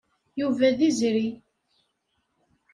Yuba d izri.